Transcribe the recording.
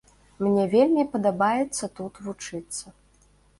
Мне вельмі падабаецца тут вучыцца.